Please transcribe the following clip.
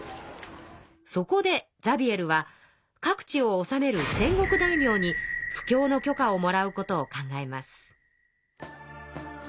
そこでザビエルは各地を治める戦国大名に布教の許可をもらうことを考えます。